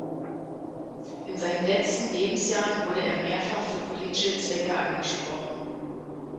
In seinen letzten Lebensjahren wurde er mehrfach für politische Zwecke angesprochen.